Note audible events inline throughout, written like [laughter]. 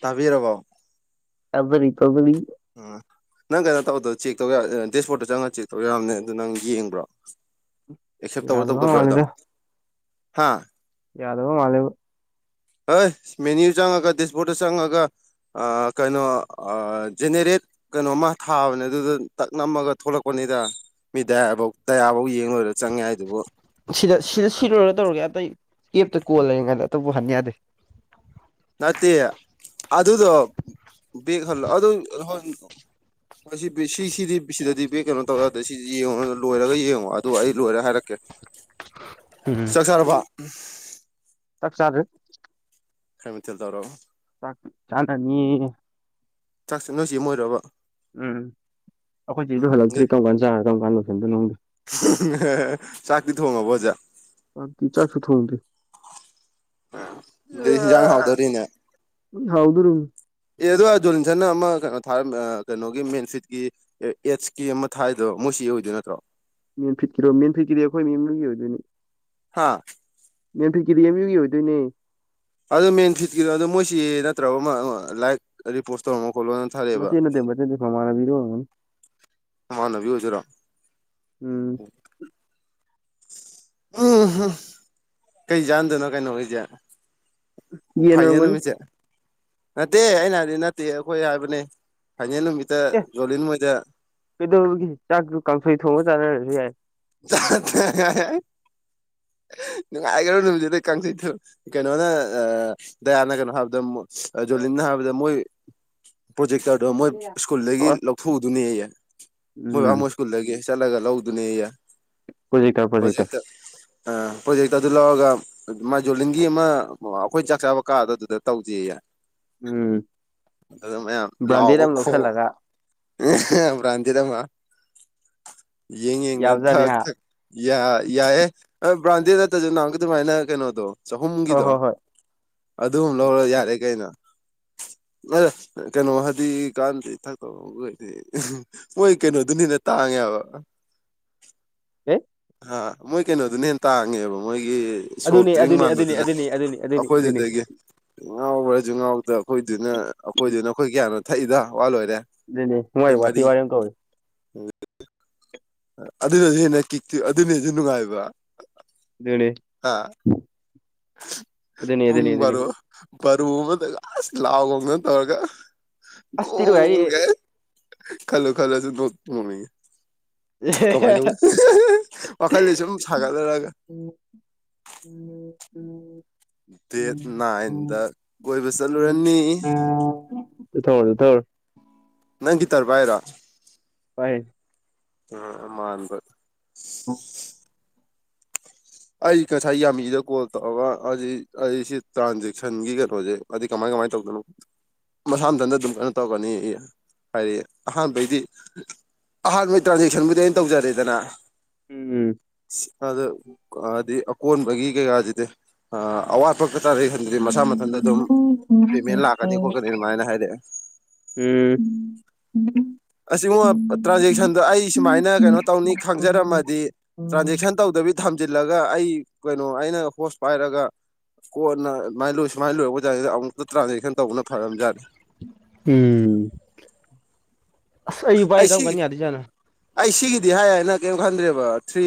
ꯇꯥꯕꯤꯔꯔꯕꯥꯎ ꯇ ꯃꯤ [unintelligible] [inaudible] ꯑ [unintelligible] [inaudible] ꯅꯪ ꯀꯩꯅꯣ ꯇꯧꯧꯕꯗꯣ ꯆꯦꯛ ꯇꯧ ꯗꯦꯁꯕꯣꯔꯗꯠꯇ ꯆꯪꯉꯒ ꯆꯦꯛ ꯇꯧ ꯌꯥꯕꯅꯦ ꯑꯗꯨꯣ ꯅꯪ ꯌꯦꯡꯕ꯭ꯔꯣ ꯑꯦꯛꯁꯦꯞ ꯇꯧꯕ꯭ꯔꯥ ꯌꯥꯗꯕ ꯇꯧꯗꯕ꯭ꯔꯥ ꯑꯗꯣ ꯃꯥꯜꯂꯦꯗ ꯍꯥ ꯌꯥꯗꯕ ꯃꯥꯂꯕ ꯍꯣꯏ ꯃꯦꯅ꯭ꯌꯨ ꯆꯪꯉꯒ ꯗꯤꯁꯕꯣꯔꯠꯇ ꯆꯪꯉꯒ ꯀꯩꯅꯣ ꯖꯦꯅꯦꯔꯦꯠ ꯀꯩꯅꯣꯃ ꯊꯥꯕꯅꯦ ꯑꯗꯨꯗ ꯇꯛ ꯅꯝꯃꯒ ꯊꯣꯛꯂꯛꯄꯅꯤꯗ ꯃꯤ ꯇꯕ ꯇ ꯌꯥꯕ ꯌꯦ ꯁꯤꯗ ꯁꯤꯗ ꯁꯤꯔꯨꯔꯒ ꯇꯧꯔꯒꯦ ꯑꯇꯩ ꯀꯦꯞꯇ ꯀꯣꯜ ꯂꯩꯔꯤꯉꯥꯟꯗ ꯑꯇꯣꯞꯕꯨ ꯍꯟ ꯌꯥꯗꯦ ꯅꯠꯇꯦ ꯑꯗꯨꯗꯣ ꯒꯜꯂꯣ ꯑꯗꯨ ꯁꯤ ꯁꯤ ꯁꯤꯗꯤ ꯁꯤꯗꯗꯤ ꯄ ꯀꯩꯅꯣ ꯇꯧꯔꯗꯗꯤ ꯁꯤ ꯌꯦꯡꯉ ꯂꯣꯏꯔꯒ ꯌꯦꯡꯉꯣ ꯑꯗꯨ ꯑꯩ ꯂꯣꯏꯔꯦ ꯍꯥꯏꯔꯛꯀꯦ ꯍ ꯆꯠ ꯆꯥꯔꯕ ꯆꯔꯦ ꯀꯃꯤꯦꯜ ꯇꯔꯣ ꯆꯥꯟꯗꯅꯤ ꯆꯥꯛꯁꯦ ꯅꯣꯏꯁꯤ ꯑꯣꯏꯔꯕ ꯎꯝ ꯑꯩꯈꯣꯏ ꯁꯤꯁꯨ ꯍꯜꯂꯛꯇ꯭ꯔꯤ ꯀꯔꯝ ꯀꯥꯟ ꯆꯥꯔꯥ ꯀꯔꯝ ꯀꯥꯟ ꯂꯣꯏꯁꯟꯗꯣꯗ ꯆꯥꯛꯇꯤ ꯊꯣꯡꯉꯕ ꯑꯣꯖꯥ ꯑꯥꯗꯤ ꯆꯥꯛꯁꯨ ꯊꯣꯡꯗ ꯑꯗꯨ ꯍꯟꯖꯥꯡ ꯍꯥꯎꯗꯣꯔꯤꯅꯦ ꯍꯥꯎꯗꯔꯝ ꯑꯦ ꯑꯗꯨꯒ ꯖꯣꯂꯤꯟꯁꯟꯅ ꯑꯃ ꯀꯩꯅꯣ ꯊꯥꯔ ꯀꯩꯅꯣꯒꯤ ꯃꯦꯟꯔꯤꯠꯀꯤ ꯑꯦꯠꯁꯀꯤ ꯑꯃ ꯊꯥꯏꯗꯣ ꯃꯣꯏ ꯁꯤ ꯑꯣꯏꯗꯣꯏ ꯅꯠꯇ꯭ꯔꯣ ꯃꯦꯟ ꯐꯤꯠꯀꯤꯔꯣ ꯃꯦꯟ ꯐꯤꯠꯀꯤꯗꯤ ꯑꯩꯈꯣꯏ ꯃꯤ ꯏꯃꯒꯤ ꯑꯣꯏꯗꯣꯏꯅꯤ ꯍꯥꯥ ꯅꯦꯝ ꯐꯤꯀꯤꯗꯤ ꯌꯥꯝꯦꯝ ꯌꯨꯒꯤ ꯑꯣꯏꯗꯣꯏꯅꯦ ꯑꯗꯨ ꯃꯦꯟ ꯐꯤꯠꯀꯤꯗꯣ ꯑꯗꯣ ꯃꯣꯏꯁꯤ ꯅꯠꯇ꯭ꯔꯕ ꯑꯃ ꯂꯥꯏꯛ ꯔꯤꯄꯣꯁ ꯇꯧꯔꯝꯃ ꯃꯆꯦ ꯅꯠꯇ ꯃꯦꯗꯤ ꯐꯃꯔꯕꯤꯔꯣꯑꯣ ꯃꯥꯅꯕꯤ ꯍꯧꯖꯔꯝ ꯎꯝ ꯎꯝ ꯀꯩ ꯌꯥꯥꯟꯗꯣꯏꯅꯣ ꯀꯩꯅꯣ ꯍꯧꯁꯦ ꯌꯦꯟ ꯐꯥꯏꯅꯦꯜ ꯑꯣꯏꯔꯝꯒꯅꯤ ꯅꯨꯃꯤꯠꯁꯦ ꯅꯠꯇꯦ ꯑꯩꯅ ꯍꯥꯏꯗꯤ ꯅꯠꯇꯦ ꯑꯩꯈꯣꯏ ꯍꯥꯏꯕꯅꯦ ꯐꯅꯅꯃꯤꯇ ꯑꯦ ꯖꯣꯂꯅ ꯃꯖꯥ ꯀꯩꯗꯧꯔꯒꯦ ꯆꯥꯛꯇꯨ ꯀꯥꯡꯁꯣꯏ ꯊꯣꯡꯉ ꯆꯥꯅꯔꯁꯨ ꯌꯥꯏ [inaudible] ꯅꯨꯡꯉꯥꯏꯈꯔꯣ ꯅꯨꯃꯤꯠꯠꯇꯨꯗꯩ ꯀꯥꯡꯁꯤꯩꯠꯇ ꯀꯩꯅꯣꯅ ꯗꯌꯥꯅ ꯀꯩꯅꯣ ꯍꯥꯏꯕꯗ ꯑꯗꯨꯣ ꯂꯤꯅ ꯍꯥꯏꯕꯗ ꯃꯣꯏ ꯄ꯭ꯔꯣꯖꯦꯛꯇꯔꯗꯣ ꯃꯣꯏ ꯊꯣꯛꯑꯣꯏ ꯁ꯭ꯀꯨꯜꯗꯒꯤ ꯂꯧꯊꯣꯛꯎꯗꯨꯅꯦ ꯑꯩꯌꯦꯦ ꯃꯣꯏ ꯕꯥ ꯎꯝ ꯃꯣꯏ ꯁ꯭ꯀꯨꯜꯗꯒꯤ ꯆꯠꯂꯒ ꯄ꯭ꯔꯣꯖꯦꯛꯇꯔ ꯄ꯭ꯔꯣꯖꯦꯛꯇꯔ ꯂꯧꯗꯨꯅꯦ꯭ꯔꯦꯛꯇ꯭ꯔꯦꯛꯇ ꯑꯗꯨ ꯂꯧꯔꯒ ꯃꯥꯏꯖꯣꯂꯤꯡꯒꯤ ꯑꯃ ꯑꯩꯈꯣꯏ ꯆꯥꯛ ꯆꯥꯕ ꯀꯥꯗꯣ ꯑꯗꯨꯗ ꯇꯧꯗꯦꯌꯦ ꯎꯝ ꯑꯗꯨ ꯃꯌꯥꯝ ꯕ꯭ꯔꯥꯟꯗꯦꯠ ꯂꯥꯎꯑꯣꯕ ꯑꯃ ꯈꯣ ꯂꯧꯁꯜꯂꯒ ꯭ꯔꯥꯟꯗꯦꯗ ꯑꯃ ꯌꯦꯡ ꯌꯦꯡꯅ ꯌꯥꯕꯖꯥꯠꯅꯤ ꯈꯛ ꯍꯥ ꯌꯥꯏꯌꯦꯦ ꯕ꯭ꯔꯥꯟꯗꯦ ꯅꯠꯇ꯭ꯔꯁꯨ ꯅꯍꯎꯒ ꯑꯗꯨꯃꯥꯏꯅ ꯀꯩꯅꯣꯗꯣ ꯍꯣꯏ ꯆꯍꯨꯝꯒꯤꯗꯣ ꯍꯣꯏ ꯍꯣꯏ ꯑꯗꯨ ꯑꯨꯝ ꯂꯧꯔ ꯌꯥꯔꯦ ꯀꯩꯅꯣ [inaudible] ꯑ ꯀꯩꯅꯣ ꯍꯥꯏꯗꯤ ꯀꯥꯟꯗꯤ ꯏꯊꯛꯇꯗꯤ ꯃꯣꯏ ꯀꯩꯅꯣꯗꯨꯅꯤꯅ ꯇꯥꯡꯉꯦ ꯌꯥ [inaudible] ꯑꯦ ꯑ ꯃꯣꯏ ꯀꯩꯅꯣꯗꯨꯅ ꯍꯦ ꯇꯥꯡꯉꯦꯕ ꯃꯣꯏ ꯁꯣꯐ ꯑꯗꯨꯅꯤ ꯗ꯭ꯔꯤꯡ ꯑꯗꯨꯅꯤ ꯑꯗꯨꯅꯤ ꯃꯥꯟꯕꯗꯨꯅ ꯑꯗꯨꯅꯤ ꯑꯗꯨꯅꯤ ꯑꯗꯨꯅꯤ ꯑꯗꯨꯅꯤ ꯑꯩꯈꯣꯏꯗꯨꯗꯒꯤ ꯉꯥꯎꯕ ꯨ ꯉꯥꯎꯇ ꯑꯩꯈꯣꯏꯗꯨꯅ ꯑꯩꯈꯣꯏꯗꯨꯅ ꯑꯩꯈꯣꯏ ꯀꯌꯥꯅꯣ ꯊꯛꯏꯗ ꯋꯥꯠꯂꯣꯏꯔ ꯂꯩ ꯂꯩ ꯃꯔ ꯃꯥꯊ ꯋꯥꯔ ꯌꯥꯝ ꯀꯧ ꯑꯗꯨꯅꯁꯨ ꯍꯦꯟꯅ ꯀꯤꯛꯇꯤ ꯑꯗꯨꯅꯁꯨ ꯅꯨꯡꯉꯥꯏꯕ ꯦ ꯑ ꯄꯨꯡ ꯕꯥꯔꯨ ꯕꯥꯔꯨ ꯑꯃꯗꯒꯥꯁ ꯂꯥꯎꯒꯧꯅ ꯇꯧꯔꯒ ꯑꯁ ꯊꯤ ꯅꯨꯡꯉꯥꯏꯔꯤꯌꯦ ꯒꯣꯜꯒꯦ ꯈꯂꯣ ꯈꯂꯣꯁꯨ ꯅꯠ ꯃꯅꯤ ꯍ ꯋꯥꯈꯜꯗ ꯁꯨꯝ ꯁꯥꯒꯠꯂꯔꯒ ꯎꯝ ꯎꯝ ꯎꯝ ꯅꯥꯏꯟꯗ ꯀꯣꯏꯕ ꯎꯝ ꯆꯠꯂꯨꯔꯅꯤ ꯊꯧꯔ ꯊꯧ ꯅꯪꯒꯤꯇꯔꯚ ꯍꯥꯏꯔꯣ ꯍꯥꯏ ꯑ ꯃꯗ ꯎꯝ ꯑꯩ ꯉꯁꯥꯏ ꯌꯥꯝꯃꯤꯗ ꯀꯣꯜ ꯇꯧꯔꯒ ꯑꯩꯁꯤ ꯇ꯭ꯔꯥꯟꯖꯦꯛꯁꯟꯒꯤ ꯀꯩꯅꯣꯁꯦ ꯑ ꯀꯃꯥꯏꯧ ꯀꯃꯥꯏ ꯇꯧꯒꯩꯅꯣ ꯃꯁꯥꯝꯊꯟꯗ ꯑꯗꯨꯝ ꯀꯩꯅꯣ ꯇꯧꯒꯅꯤ ꯍꯥꯏꯗꯤ ꯑꯍꯥꯟꯕꯩꯗꯤ ꯑꯍꯥꯟꯕꯩ ꯇ꯭ꯔꯥꯟꯖꯦꯛꯁꯟꯕꯨꯗꯤ ꯑꯩꯅ ꯇꯧꯖꯔꯦꯗꯅ ꯑꯗꯨ ꯍꯥꯏꯗꯤ ꯑꯀꯣꯟꯕꯒꯤ ꯀꯩꯀꯥꯁꯤꯗꯤ ꯑꯋꯥꯠꯄ ꯇꯔꯦ ꯍꯟꯗꯗꯤ ꯎꯝ ꯃꯁꯥ ꯃꯊꯟꯇ ꯑꯗꯨꯝ ꯄꯦꯃꯦꯟ ꯂꯥꯛꯀꯅꯤ ꯈꯣꯠꯀꯅꯤ ꯑꯗꯨꯃꯥꯏꯅ ꯍꯥꯏꯔꯛꯑꯦ ꯎꯝ ꯑꯁꯤꯒꯨꯝꯕ ꯇ꯭ꯔꯥꯟꯖꯦꯛꯁꯟꯗꯣ ꯑꯩ ꯁꯨꯃꯥꯏꯅ ꯀꯩꯅꯣ ꯇꯧꯅꯤ ꯈꯪꯖꯔꯝꯃꯗꯤ ꯇ꯭ꯔꯥꯟꯖꯦꯛꯁꯟ ꯇꯧꯗꯕꯤ ꯊꯝꯖꯤꯜꯂꯒ ꯑꯩ ꯀꯩꯅꯣ ꯑꯩꯅ ꯍꯣꯁ ꯄꯥꯏꯔꯒ ꯀꯣꯟꯅꯥꯏ ꯂꯣꯏ ꯁꯨꯃꯥꯏ ꯂꯣꯏꯔꯄꯖꯥꯅꯤ ꯑꯃꯨꯛꯇ ꯇ꯭ꯔꯥꯟꯖꯦꯛꯁꯟ ꯇꯧꯅꯕ ꯎꯝ ꯁꯍꯤ ꯄꯥꯏ ꯑꯩ ꯀꯝ ꯁꯤꯒꯤ ꯀꯅꯤ ꯌꯥꯗꯤꯖꯅ ꯑꯩ ꯁꯤꯒꯤꯗꯤ ꯍꯥꯏꯌꯦꯅ ꯀꯔꯤꯝ ꯈꯟꯗ꯭ꯔꯦꯕ ꯊ꯭ꯔꯤ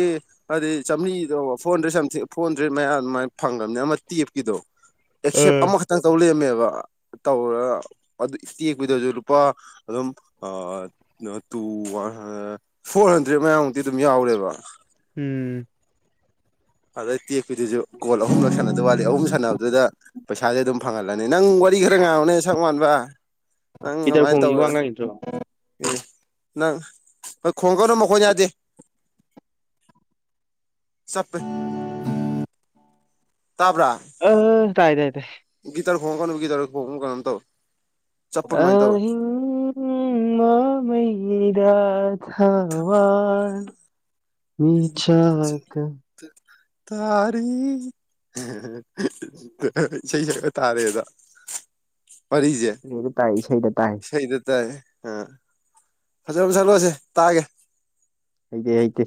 ꯍꯥꯏꯗꯤ ꯆꯥꯝꯔꯤꯗꯣ four hundred something four hundred ꯑꯗꯨꯃꯥꯏꯅ ꯐꯪꯕꯅꯤ ꯑꯃ ꯇꯦꯞꯀꯤꯗꯣ ꯑ ꯑꯦꯛꯁꯦꯞ ꯑꯃꯈꯛꯇꯪ ꯇꯧ ꯂꯩꯔꯝꯃꯦꯕ ꯑ ꯇꯧꯔ ꯑꯗꯨ ꯇꯦꯛꯄꯗꯁꯨ ꯂꯨꯄꯥ ꯑꯗꯨꯝ two one hundred four hundred ꯃꯌꯥꯝꯃꯨꯛꯇꯤ ꯑꯗꯨꯝ ꯌꯥꯎꯔꯦꯕ ꯎꯝ ꯑꯥꯏ ꯇꯦꯛꯄꯤꯗꯨꯁꯨ ꯀꯣꯜ ꯑꯍꯨꯝꯂꯛ ꯁꯥꯟꯅꯗ ꯋꯥꯠꯂꯤ ꯑꯍꯨꯝ ꯁꯥꯟꯅꯕꯗꯨꯗ ꯄꯩꯁꯥꯗꯤ ꯑꯗꯨꯝ ꯐꯪꯍꯜꯂꯅꯤ ꯅꯪ ꯋꯥꯔꯤ ꯈꯔ ꯉꯥꯡꯅꯤ ꯅꯩ ꯁꯛ ꯃꯥꯟꯕ ꯅꯪ ꯄꯤꯇꯔ ꯑꯗꯨꯃꯥꯏꯅ ꯈꯣꯡꯒꯤ ꯋꯥ ꯇꯧꯔ ꯉꯥꯡꯉꯤꯗ꯭ꯔꯣ ꯅꯪ ꯍꯣꯏ ꯈꯣꯡꯒꯧꯅ ꯃꯈꯣꯏ ꯌꯥ ꯌꯥꯁꯦ ꯆꯠ ꯑ ꯇꯥꯏꯥꯏ ꯒꯤꯇꯔ ꯐꯣꯡꯣꯟ ꯀꯥꯟꯝ ꯒꯤꯇꯔ ꯐꯣꯡꯣꯟ ꯀꯝ ꯇꯣ ꯑ ꯍ ꯃꯥ ꯃꯩꯗꯥ ꯊꯋꯥ ꯃꯤꯆ ꯀ ꯇꯥꯔꯤ ꯆꯩꯕ ꯇꯥꯔꯦꯗ ꯄꯔꯤꯖꯦ ꯂꯣꯏꯅ ꯇꯥꯏ ꯏꯁꯩꯗ ꯇꯥꯏ ꯁꯩꯗ ꯇꯥꯏ ꯑ ꯐꯖꯅ ꯐ ꯆꯥꯂꯣꯏꯁꯦ ꯇꯥꯑꯒꯦ ꯑꯩꯦ ꯍ ꯀꯦ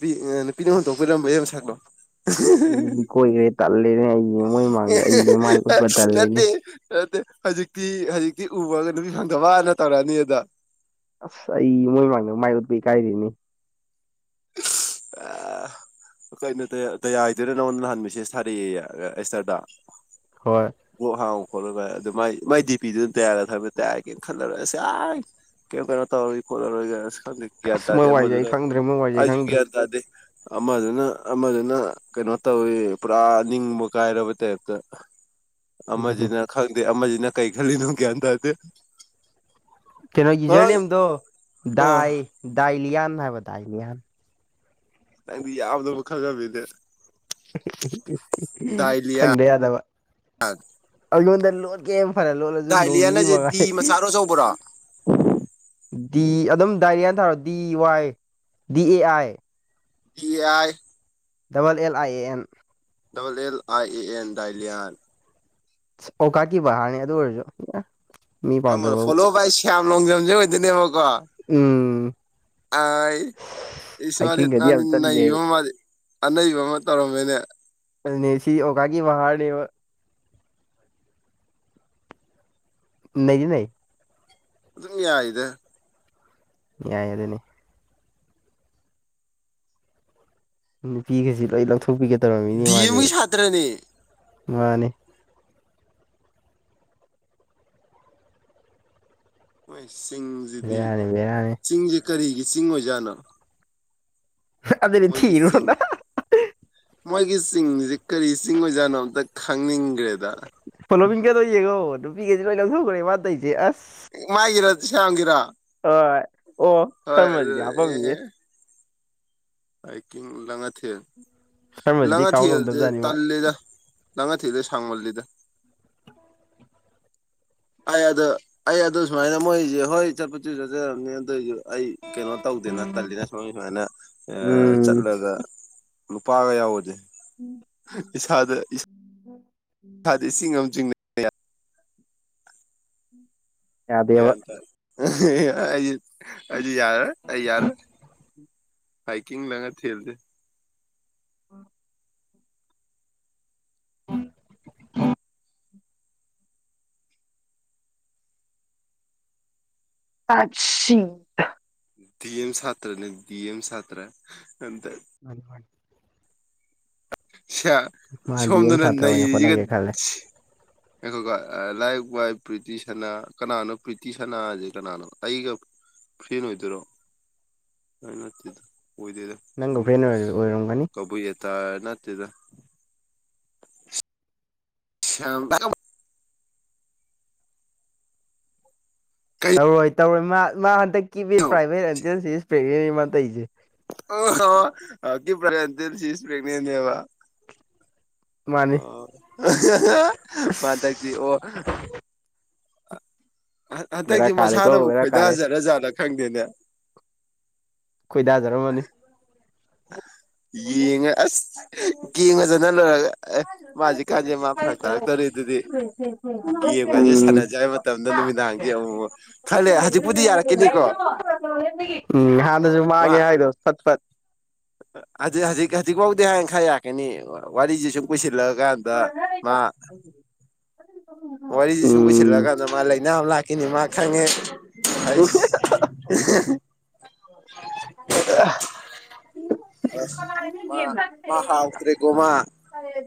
ꯅꯨꯄꯤ ꯅꯨꯄꯤꯅ ꯍꯨꯟꯗꯣꯛꯄꯤꯔꯝꯕ ꯌꯥ ꯑꯩ ꯃꯁꯛꯇꯣ ꯀꯣꯏꯈꯦ ꯇꯜꯂꯦꯅꯦ ꯍꯥꯏꯏ ꯅꯠꯇꯦ ꯅꯠꯇ ꯍꯧꯖꯤꯛꯇꯤ ꯍꯧꯖꯤꯛꯇꯀꯤ ꯎꯕꯒ ꯅꯨꯄꯤ ꯍꯪꯊ ꯋꯥꯅ ꯇꯧꯔꯛꯑꯅꯤꯗ ꯑꯁ ꯑꯩ ꯃꯣꯏꯃꯥꯡꯗ ꯃꯥꯏ ꯎꯠꯄ ꯀꯥꯏꯔ‌ꯦꯅ‌ꯦ [inaudible] ꯀꯩꯅꯣ ꯇꯌꯥ ꯇꯌꯥꯏꯗꯨꯅ ꯅꯉꯣꯟꯗ ꯅꯍꯥꯟꯃꯤꯁꯦ ꯊꯥꯔꯛꯑꯌ‌ꯦ ꯑꯦꯁꯇꯔꯗ ꯍꯣꯏ ꯕꯂꫭꯛ ꯍꯥꯡꯉꫭ ꯈꯣꯠꯂꯒ ꯑꯗꯨ ꯃꯥꯏ ꯃꯥꯏ ꯗꯤꯄꯤꯗꯨꯅ ꯇꯌꯥꯔ ꯊꯕ ꯇꯥꯏꯔꯒꯦꯅ ꯈꯜꯂꯔ ꯑꯁ [unintelligible] ꯀꯩꯝ ꯀꯩꯅꯣ ꯇꯧꯔꯣꯏ ꯈꯣꯠꯂꯔꯣꯏ ꯈꯪꯗ ꯒ꯭ꯌꯥꯟ ꯑꯁ ꯇꯥꯗꯦ ꯃꯣꯏ ꯋꯥꯔꯤꯁꯦ ꯑꯩ ꯑꯃꯗꯨꯅ ꯈꯪꯗ꯭ꯔꯦ ꯃꯣꯏ ꯋꯥꯔꯤꯁꯦ ꯑꯩ ꯑꯩꯁꯨ ꯈꯪꯗ꯭ꯔꯦ ꯒ꯭ꯌꯥꯟ ꯇꯥꯗꯦ ꯑꯃꯗꯨꯅ ꯑꯃꯗꯨꯅ ꯀꯩꯅꯣ ꯇꯧꯋꯤ ꯄꯨꯔꯥ ꯅꯤꯡꯕ ꯀꯥꯏꯔꯕ ꯇꯥꯏꯞꯇ ꯑꯗꯨꯅꯤ ꯑꯃꯖꯤꯅ ꯈꯪꯗꯦ ꯑꯃꯁꯤꯅ ꯀꯔꯤ ꯈꯜꯂꯤꯅꯣ ꯒ꯭ꯌꯥꯟ ꯇꯥꯗꯦ ꯀꯩꯅꯣ ꯅꯪ ꯌꯨꯖꯔꯅꯦꯝꯗꯣ ꯑ ꯗꯥꯏ ꯗꯥꯏꯂꯤꯌꯥꯟ ꯍꯥꯏꯕ ꯗꯥꯏꯂꯤꯌꯥꯟ ꯅꯪꯗꯤ ꯌꯥꯝꯅꯕꯨ ꯈꯪꯎꯝꯃꯤꯅ‌ꯦ ꯈꯪꯗ ꯌꯥꯗꯕ ꯑꯩꯉꯣꯟꯗ ꯂꯣꯟꯀꯦ ꯐꯅꯥ ꯂꯣꯜꯂꯁꯨ ꯅꯣꯡ ꯗꯥꯏꯂꯤꯌꯥꯟ ꯅꯤꯅꯤ ꯍꯥꯏꯁꯦ ꯃꯉꯥꯏ ꯗꯤ ꯃꯆꯥꯔꯣ ꯑꯆꯧꯕꯔꯣ ꯗꯤ ꯑꯗꯨꯝ ꯗꯥꯏꯔꯤꯌꯥꯅ D Y D A I D A I double L I A N double L I A N ꯗꯥꯏꯂꯤꯌꯥꯟ ꯑꯣ ꯀꯥꯀꯤ ꯕꯍꯥꯔꯅꯤ ꯑꯗꯨ ꯑꯣꯏꯔꯁꯨ ꯃꯤ ꯄꯥꯝꯖꯕꯕꯨ ꯐꯣꯂꯣ ꯕꯥꯏ ꯁꯤ ꯌꯥꯝꯝ ꯂꫭꯡꯖꯝꯖ‌ꯦ ꯑꫭꯏꯗꫭꯏꯅ‌ꯦꯕ ꯎꯝ ꯑꯥꯏ ꯏꯤꯁ ꯃꯥꯗꯤ ꯍꯥꯏꯀꯤꯡꯒꯗꯤ ꯃꯥꯗꯤ ꯌꯥꯝ ꯆꯠꯂꯤꯅꯦꯍꯦ ꯅꯩꯕꫭ ꯃꯥꯗꯤ ꯑꯅꯩꯕ ꯑꯃ ꯇꯧꯔꯝꯃꯦꯅꯦ ꯑꯗꯨꯅ‌ꯦ ꯁꯤ ꯑꯣꯀꯒꯤ ꯕꯥ ꯍꯥꯅꯦꯕ ꯅꯩꯗꯤ ꯅꯩ ꯑꯗꯨꯝ ꯌꯥ ꯏꯗ ꯌꯥꯏ ꯑꯗꯨꯅꯤ ꯅꯨꯄꯤꯒꯁꯤ ꯂꯣꯏ ꯂꯧꯊꯣꯛꯄꯤꯒꯊꯧꯔꯃꯤꯅꯤ ꯗꯤ ꯃꯥꯁꯦ ꯑꯦꯝꯒꯤ ꯁꯥꯇ꯭ꯔꯅꯦ ꯃꯥꯅꯦ ꯃꫭꯏ ꯆꯤꯡꯁꯤꯗꯤ ꯕꯦꯔꯥꯅꯤ ꯕꯦꯔꯥꯅꯤ ꯆꯤꯡꯖꯤ ꯀꯔꯤꯒꯤ ꯆꯤꯡ ꯑꯣꯏꯖꯥꯠꯅꯣ ꯑꯗꯨꯗꯤ ꯃꯣꯏꯒꯤ ꯆꯤꯡ ꯊꯤꯔꫭꯗꯅ ꯃꯣꯏꯒꯤ ꯆꯤꯡꯅꯤꯖꯤ ꯀꯔꯤ ꯆꯤꯡ ꯑꯣꯏꯖꯥꯠꯅꯣ ꯑꯝꯇ ꯈꯪꯅꯤꯡꯈ꯭ꯔꯦꯗ ꯅꫭꯕꯤꯟ ꯀꯥꯗꫭ ꯌ‌ꯦꯡꯑꫭ ꯅꯨꯄꯤ ꯀꯩꯁ ꯂꯣꯏ ꯂꯧꯊꯣꯛꯈ꯭ꯔꯦ ꯃꯅꯥ ꯇꯩꯁꯦ ꯑꯁ ꯃꯥꯥꯏꯒꯤꯔ ꯁ꯭ꯃꯒꯤꯔꯥ ꯑ ꯑꯣ ꯁꯔꯃꯁꯤꯗꯤ ꯍꯥꯄꯝꯃꯤꯌꯦ ꯍꯥꯀꯤꯡ ꯂꯉꯥ ꯊꯦꯜ ꯁꯔꯃꯁꯤꯗꯤ ꯂꯉꯥ ꯀꯥꯎ ꯊꯦꯜꯁꯦ ꯉꯝꯗꯕꯖꯥꯠꯅꯤ ꯃꯥ ꯇꯜꯂꯦꯗ ꯂꯪꯉꯥ ꯊ‌ꯦꯜꯖ‌ꯦ ꯁꯥꯡꯃꯜꯂꯤꯗ ꯑꯩ ꯑꯗꯨ ꯑꯩ ꯑꯗꯨ ꯁꯨꯃꯥꯏꯅ ꯃꯣꯏꯁꯦ ꯍꯣꯏ ꯆꯠꯄꯁꯨꯁꯨ ꯆꯠꯆꯔꯝꯅꯤ ꯑꯗꯨꯏꯁꯨ ꯑꯩ ꯀꯩꯅꯣ ꯇꯧꯗꯦꯅ ꯇꯜꯂꯤꯅ ꯁꫭꯝꯒꯤ ꯁꯨꯃꯥꯏꯅ ꯎꯝ ꯆꯠꯂꯒ ꯅꯨꯄꯥꯒ ꯌꯥꯎꯕꯗꯤ ꯏꯁꯥꯗ ꯏꯁꯥꯗ ꯏꯁꯤꯡ ꯑꯃ ꯆꯤꯡꯅꯩ ꯀ [unintelligible] ꯌꯥꯗꯦꯕ ꯑ ꯌꯥꯔ‌ꯦ ꯑꯩ ꯌꯥꯔ‌ꯦ ꯍꯥꯏꯀꯤꯡ ꯂꯉꯥ ꯊ‌ꯦꯜꯖ‌ꯦ ꯑ [unintelligible] ꯎꯝ [unintelligible] ꯇꯠꯁꯤ [unintelligible] ꯗꯤꯑꯦꯝ ꯁꯥꯇ꯭ꯔꯅꯦ ꯗꯤꯑꯦꯝ ꯁꯥꯇ꯭ꯔ ꯑ ꯑꯗꯨꯅꯤ ꯃꯥ [unintelligible] ꯁꯌꯥ ꯃꯥꯗꯤ ꯑꯦꯝ ꯁꯣꯝꯗꯅ ꯁꯥꯇ꯭ꯔ ꯑꯣꯏꯅ ꯅꯔꯤꯁꯤꯒ ꯍꯣꯠꯅꯒꯦ ꯈꯜꯂꯦ ꯉꯥꯏꯈꯣꯀꫭ ꯂꯥꯏꯛ ꯕꯥꯏ‌ ꯄ꯭ꯔꯤꯇꯤ ꯁꯅꯥ ꯀꯅꯥꯅꯣ ꯄ꯭ꯔꯤꯇꯤ ꯁꯅꯥꯁꯦ ꯀꯅꯥꯅꯣ ꯑꯩꯒ ꯐ꯭ꯔ‌ꯦꯟ ꯑꫭꯏꯗꫭꯏꯔꯣ ꯍꯩ ꯅꯠꯇ‌ꯦ ꯑꯣꯏꯗꯣꯏꯗ ꯅꯪꯒ ꯁꯨꯝ ꯐ꯭ꯔꯦꯟ ꯑꯣꯏꯔꯝꯒꯅꯤ ꯀꯕꯨꯏ ꯌꯦꯇꯥꯔ ꯅꯠꯇꯦꯗ [inaudible] ꯝ ꯊ ꯇꯧꯔꯣꯏ ꯇꯧꯔꯣꯏ ꯃꯥ ꯃꯥ ꯍꯟꯗꯛꯀꯤꯤꯦꯠ ꯄ꯭ꯔꯥꯏꯚꯦꯠꯇ ꯄ꯭ꯔꯦꯃ ꯇꯩꯁꯦ ꯑꯣ ꯍ ꯍꯧ ꯄ ꯁꯤꯁꯄꯦꯒꯅꯦ ꯅꯦꯕ ꯃꯥꯅꯤ ꯑꯣ ꯃꯥꯇ ꯑꯁ ꯑꯣ ꯕꯦꯔꯥ ꯍꯟꯗꯛꯇꯤ ꯀꯥꯔꯦꯀꯣ ꯃꯁꯥꯅꯕꯨꯛ ꯕꯦꯔꯥ ꯀꯥꯔꯦ ꯈꯣꯏꯗꯥꯖꯔꯖꯥꯠꯅ ꯈꯪꯗꯦꯅꯦ ꯈꯣꯏꯗꯥꯖꯔꯝꯃꯅꯤ ꯌꯦꯡꯉ ꯑꯁ ꯌꯦꯡꯉꯖꯅ ꯂꯣꯏꯔꯒ ꯑꯦ ꯃꯥꯁꯦ ꯀꯥꯟꯁꯦ ꯃꯥ ꯐꯔꯛ ꯇꯥꯔꯛꯇꯣꯔꯤꯅꯤ ꯑꯗꯨꯗꯤ ꯒꯦꯝꯒꯁꯦ ꯎꯝ ꯁꯥꯟꯅꯖꯩ ꯍꯥꯏ ꯃꯇꯝꯗ ꯅꯨꯃꯤꯗꯥꯡꯗꯤ ꯑꯃꯨꯛ ꯈꯜꯂꯦ ꯍꯧꯖꯤꯛꯄꯨꯗꯤ ꯌꯥꯔꯛꯈꯤꯅꯤꯀꯣ ꯎꯝ ꯍꯥꯟꯅꯁꯨ ꯃꯥꯡꯉꯦ ꯍꯥꯏꯗꯣ ꯐꯠ ꯐꯠ ꯍꯧ ꯍꯧꯖꯤꯛ ꯍꯧꯖꯤꯛ ꯐꯥꯎꯗꯤ ꯍꯥꯏꯡꯈꯥꯏ ꯌꯥꯛꯀꯅꯤ ꯋꯥꯔꯤꯁꯦ ꯁꯨꯝ ꯄꯨꯁꯤꯜꯂꯛꯑꯀꯥꯟꯗ ꯃꯥ ꯋꯥꯔꯤꯁꯤ ꯁꯨꯝ ꯎꯝ ꯄꯨꯁꯤꯜꯂꯛꯑꯀꯥꯟꯗ ꯃꯥ ꯂꯥꯏꯅꯥ ꯑꯃ ꯂꯥꯛꯈꯤꯅꯤ ꯃꯥ ꯈꯪꯉꯦ ꯑꯩꯁ [unintelligible] [unintelligible] ꯦ ꯑꯁ ꯃꯥ ꯌꯦꯦ ꯐꯦ ꯃꯥ ꯍꯥꯎꯇ꯭ꯔꯦꯀꯣ ꯃꯥ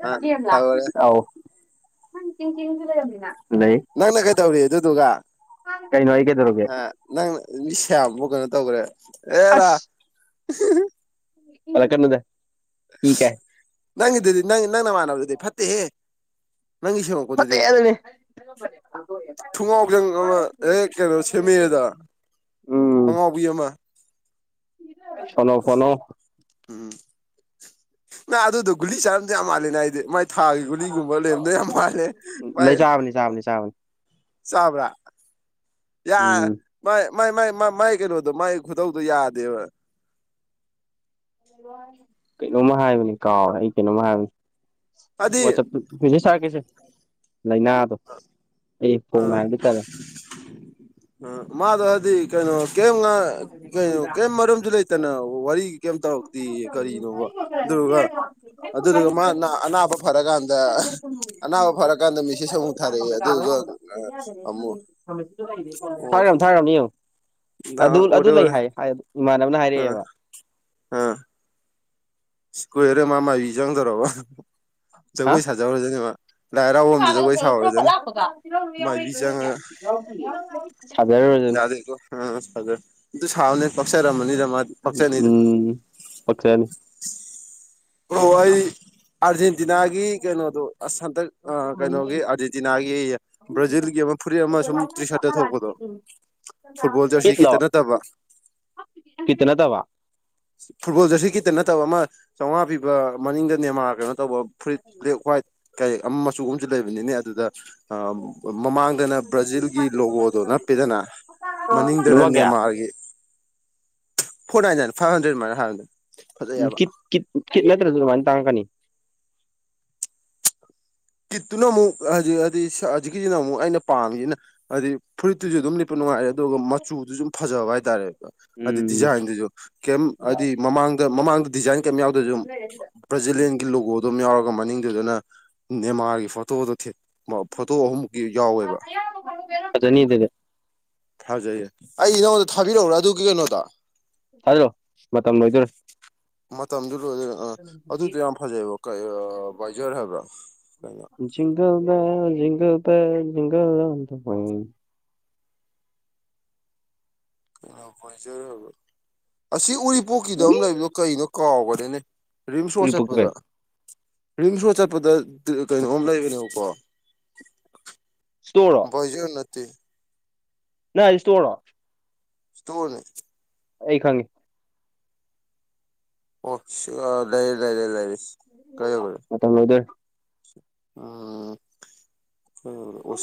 ꯑ ꯦꯝ ꯅꯪ ꯇꯧꯔꯦ ꯆ ꯂꯃꯤꯅ ꯅꯪꯅ ꯀꯩꯗꯧꯔꯤ ꯑꯗꯨꯗꯨꯒ ꯀꯩ ꯅꯣꯏꯒꯦꯗꯔꯒꯦ ꯃꯤꯁ ꯌꯥꯝꯕꯨꯛ ꯀꯩꯅꯣ ꯇꯧꯈ꯭ꯔꯦ ꯑꯦꯔꯥ ꯐꯂ ꯀꯗꯀꯦ ꯅꯪꯒꯤꯗꯨꯗꯤ ꯅꯪ ꯅꯪꯅ ꯃꯥꯟꯅꯕꯗꯨꯗꯤ ꯐꯠꯇꯦꯍꯦ ꯅꯪꯒꯤ ꯁꯦꯝꯃꯛꯄꯗꯨꯗꯤ ꯐꯠꯇꯦ ꯑꯗꯨꯅꯤ ꯊꯨꯡꯒꯥꯎꯖꯪ ꯑꯃ ꯍꯦꯛ ꯀꯩꯅꯣ ꯁꯦꯝꯃꯤꯔꯦꯗ ꯎꯝ ꯑꯉꯥꯎꯕꯤ ꯑꯃ ꯁꯣꯅꯣ ꯐꯣꯅꯣ ꯎꯝ ꯅ ꯑꯗꯨꯗꯨ ꯒꯂꯤ ꯆꯔꯝꯗꯤ ꯌꯥꯝ ꯃꯥꯂꯅ ꯃꯥꯏ ꯊꯥꯒꯤ ꯒꯨꯂꯤꯒꯨꯝꯕ ꯂꯩꯔꯦꯝꯗ ꯌꯥꯝ ꯃꯥꯜꯂꯦ ꯃꯥꯥꯏ ꯂꯩ ꯆꯥꯕꯅꯤ ꯆꯥꯕꯅꯤ ꯆꯥꯕꯅꯤ ꯆꯕ꯭ꯔꯥ ꯌꯥ ꯎꯝ ꯃ ꯃꯥꯏ ꯃꯥꯏ ꯃꯥꯏ ꯀꯩꯅꯣꯗꯣ ꯃꯥꯏ ꯈꯨꯗꯧꯗꯣ ꯌꯥꯗꯦꯕ ꯀꯩꯅꯣꯝꯃ ꯍꯥꯏꯕꯅꯦ ꯀꯥꯎꯔꯦ ꯑꯩ ꯀꯩꯅꯣꯝꯃ ꯍꯥꯏꯕꯅꯦ ꯍꯥꯏꯗꯤ ꯋꯥꯆꯞ ꯄꯖꯤꯦ ꯁꯥꯔ ꯀꯩꯁꯦ ꯂꯥꯏꯅꯥꯗꯣ ꯑꯥ ꯐꯣꯡꯅ ꯍꯥꯏꯕꯗꯤ ꯇꯜꯂꯦ ꯑ ꯃꯥꯗ ꯍꯥꯏꯗꯤ ꯀꯩꯅꯣ ꯀꯩꯝ ꯀꯩꯅꯣ ꯀꯔꯤꯝ ꯃꯔꯝꯁꯨ ꯂꯩꯇꯅ ꯋꯥꯔꯤ ꯀꯩꯝ ꯇꯧꯔꯛꯇꯦ ꯀꯔꯤꯅꯣꯕ ꯑꯗꯨꯗꯨꯒ ꯃꯥ ꯑꯅꯥꯕ ꯐꯔꯀꯥꯟꯗ ꯑꯅꯥꯕ ꯐꯔꯀꯥꯟꯗ ꯃꯤꯁꯦ ꯁꯨ ꯇꯥꯔꯦ ꯑꯗꯨ ꯑꯣ ꯊꯈꯝ ꯊꯥꯈ꯭ꯔꯝꯅꯦ ꯅ ꯑꯗꯨ ꯑꯗꯨ ꯑꯣꯔꯦ ꯂꯩ ꯑꯣꯔꯦ ꯍꯥꯏ ꯏꯃꯥꯟꯅꯕꯅ ꯑ ꯍꯥꯏꯔꯛꯑꯦꯕ ꯁꯀꯣꯏꯔꯦ ꯃꯥ ꯃꯥꯕꯤ ꯆꯪꯗꯧꯔꯕ ꯖꯒꯣꯏ ꯁꯥꯖꯧꯔꯖꯅꯦꯕ ꯄ꯭ꯔꯣꯄꯣꯒ ꯃꯥꯏꯕꯤ ꯆꯪꯉꯒ ꯌꯥꯗꯦꯀꯣ ꯐꯦ ꯁꯥꯎꯅ ꯀꯥꯛꯁꯥ ꯔꯃꯅꯤ ꯔ ꯐꯁꯅꯤꯗ ꯎꯝ ꯄꯛꯆꯅꯤ ꯍ ꯑꯥꯔꯖꯦꯟꯇꯤꯅꯥꯒꯤ ꯀꯩꯅꯣꯗꯣ ꯁꯟꯇꯛ ꯀꯩꯅꯣꯒꯤ ꯑꯥꯔꯖꯦꯟꯇꯤꯅꯥꯒꯤ ꯕ꯭ꯔꯥꯖꯤꯜꯒꯤ ꯐꯨꯔꯤꯠ ꯑꯃ ꯁꯨꯝ ꯇ꯭ꯔꯤ ꯁꯥꯔꯠꯇ ꯊꯣꯛꯄꯗꯣ ꯐꯨꯠꯕꯣꯜ ꯖꯔꯁꯤ ꯈꯤꯇ ꯅꯠꯇꯕ ꯀꯇꯅ ꯊꯋꯥ ꯐꯨꯠꯕꯣꯜꯗꯁꯤ ꯀꯈꯤꯇ ꯅ ꯇꯕ ꯑꯃ ꯆꯥꯝꯃꯉꯥ ꯄꯤꯕ ꯃꯅꯤꯡꯗ ꯅꯦꯃꯥ ꯀꯩꯅꯣ ꯇꯧꯕ ꯐꯨꯔꯤꯠ ꯕ꯭ꯂꯦꯛ ꯋꯥ꯭ꯋꯥꯏꯠ ꯀꯩꯔꯦꯛ ꯑꯃ ꯃꯆꯨꯒꯨꯝ ꯂꯩꯕꯅꯤꯅꯦ ꯑꯗꯨꯗ ꯃꯃꯥꯡꯗꯅ ꯕ꯭ꯔꯥꯖꯤꯜꯒꯤ ꯂꯣꯒꯣꯗꯣ ꯅꯞꯄꯤꯦꯗꯅ ꯃꯅꯤꯡꯗꯅ ꯂꯨꯄꯥ ꯀꯌꯥ ꯅꯦꯃꯥꯔꯒꯤ [inaudible] ꯐꯣꯔꯟ ꯐꯥꯏꯚ ꯍꯥꯟ꯭ꯔꯦ ꯃ ꯍꯟꯦ ꯎ ꯀ ꯀ ꯀꯠꯂ ꯇ꯭ꯔꯦ ꯑꯗꯨ ꯇꯥꯡꯀꯅꯤ ꯀꯤꯠꯇꯨꯅ ꯑꯃꯨꯛ ꯍꯧꯖꯤꯛ ꯍꯥꯏꯗꯤ ꯍꯧꯖꯤꯛꯀꯤꯁꯤꯅ ꯑꯃꯨꯛ ꯑꯩꯅ ꯄꯥꯝꯃꯤꯁꯤꯅ ꯍꯥꯏꯗꯤ ꯐꯨꯔꯤꯠꯇꯨꯁꯨ ꯑꯗꯨꯝ ꯅꯨꯡꯉꯥꯏꯔꯦ ꯑꯗꯨꯒ ꯃꯆꯨꯗꯨ ꯁꯨꯝ ꯐꯖꯕ ꯍꯥꯏꯇꯥꯔꯦꯕ ꯍꯥꯏꯗꯤ ꯎꯝ ꯗꯤꯖꯥꯏꯟꯗꯨꯁꯨ ꯀꯩꯝ ꯍꯥꯏꯗꯤ ꯃꯃꯥꯡ ꯃꯃꯥꯡꯗ ꯗꯤꯖꯥꯏꯟ ꯀꯩꯝ ꯌꯥꯎꯗꯣꯏꯁꯨ ꯕ꯭ꯔꯥꯖꯤꯂꯤꯂꯤꯌꯥꯦꯟꯒꯤ ꯂꯣꯒꯣꯗꯨꯝ ꯌꯥꯎꯔꯒ ꯃꯅꯤꯡꯗꯣꯏꯗꯅ ꯅꯦ ꯃꯥꯥꯒꯤ ꯐꯣꯇꯣꯣ ꯊꯦꯠ ꯐꯣꯇꯣ ꯑꯍꯨꯝꯃꯨꯛꯀꯤ ꯌꯥꯎꯋꯦꯕ ꯐꯖꯅꯤ ꯑꯗꯨꯗꯤ ꯊꯥꯖꯩꯌꯦꯦ ꯑꯩ ꯅꯪꯉꯣꯟꯗ ꯊꯥꯕꯤꯔꯛꯎꯔꯥ ꯑꯗꯨꯒꯤ ꯀꯩꯅꯣꯗ ꯊꯥꯖꯤꯜꯂꯣ ꯃꯇꯝ ꯂꯣꯏꯗꯣꯔꯦ ꯃꯇꯝꯗꯨ ꯑꯗꯨ ꯑ ꯑꯗꯨꯗꯣ ꯌꯥꯝ ꯐꯖꯩ ꯕ ꯀꯩ ꯚꯥꯏꯖꯔ ꯍꯥꯏꯕ꯭ꯔꯥ ꯀꯩꯅꯣ [unintelligible] ꯀꯩꯅꯣ ꯚꯥꯏꯖꯔ ꯍꯥꯏꯕꯨ ꯑꯁꯤ ꯎꯔꯤꯄꯣꯛꯀꯤꯗ ꯎꯏ ꯑꯃ ꯂꯩꯕꯗꯣ ꯀꯩꯅꯣ ꯀꯥꯎꯒ꯭ꯔꯥꯅꯦ ꯔꯤꯝꯁ ꯔꯣꯠ ꯎꯔꯤꯄꯣꯛꯇꯣ ꯆꯠꯄꯗ ꯀꯩꯅꯣ ꯔꯤꯝ ꯔꯣꯠ ꯆꯠꯄꯗ ꯀꯩꯅꯣꯝ ꯂꯩꯕꯅꯦꯕꯀꯣ ꯏꯁꯇꯣꯔꯔꯣ ꯚꯥꯏꯖꯔ ꯅꯠꯇꯦ ꯅꯪ ꯍꯥꯏꯁꯦ ꯁ꯭ꯇꯣꯔꯣ ꯁ꯭ꯇꯣꯔꯅꯦ ꯑꯩ ꯈꯪꯉꯦ ꯑꯣꯁ ꯑ ꯂꯩꯔꯦ ꯂꯩꯔꯦ ꯂꯩꯔꯦ ꯀꯩ ꯃꯇꯝ ꯂꯣꯏꯗꯣꯔꯦ ꯎꯝ ꯍ